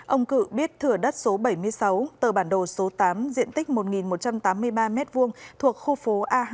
ông cự biết thửa đất số bảy mươi sáu tờ bản đồ số tám diện tích một một trăm tám mươi ba m hai thuộc khu phố a hai